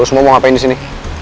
lo semua mau ngapain disini